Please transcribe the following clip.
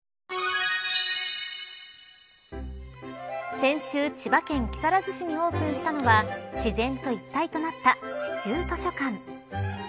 先週、千葉県木更津市にオープンしたのは自然と一体となった地中図書館。